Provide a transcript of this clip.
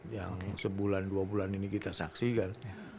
yang sebulan dua bulan ini kita saksikan